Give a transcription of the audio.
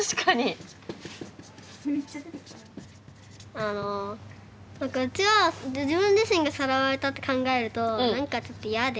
あの何かうちは自分自身がさらわれたって考えると何かちょっと嫌で。